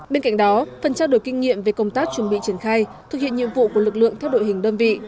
bên cạnh đó phần trao đổi kinh nghiệm về công tác chuẩn bị triển khai thực hiện nhiệm vụ của lực lượng theo đội hình đơn vị